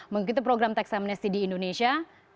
mengikuti program tax amnesty di indonesia